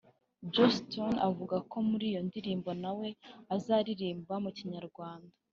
Joss Stone avuga ko muri iyo ndirimbo nawe azaririmba mu Kinyarwanda